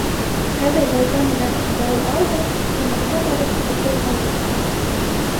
Хәҙер балта менән бау ал да урманға барып утын алып ҡайт.